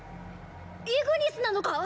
イグニスなのか？